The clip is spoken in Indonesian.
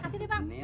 pak kasih nih pak